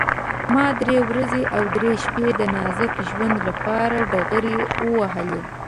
ما درې ورځې او درې شپې د نازک ژوند لپاره ډغرې ووهلې.